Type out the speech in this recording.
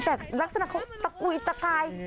แต่ลักษณะเขาตะกุยตะกาย